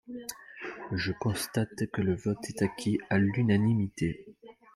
Je constate que le vote est acquis à l’unanimité.